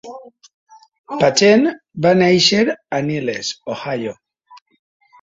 Patchen va néixer a Niles (Ohio).